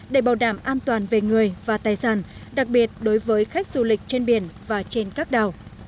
để bảo đảm an toàn về người và tài sản đặc biệt đối với khách du lịch trên biển và trên các đảo